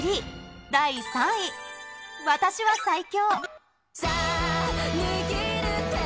第３位、私は最強。